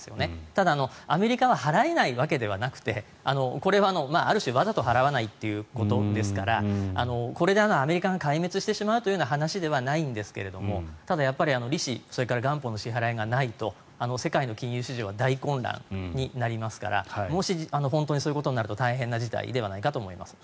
ただ、アメリカは払えないわけではなくてこれはある種、わざと払わないということですからこれでアメリカが壊滅してしまうという話ではないんですがただやっぱり、利子それから元本の支払いがないと世界の金融市場は大混乱になりますからもし、本当にそういうことになると大変な事態だと思います。